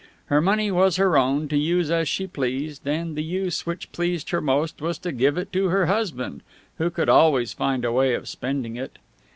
Her money was her own, to use as she pleased, and the use which pleased her most was to give it to her husband, who could always find a way of spending it.